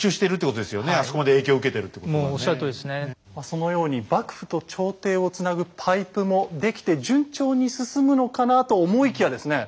そのように幕府と朝廷をつなぐパイプも出来て順調に進むのかなと思いきやですね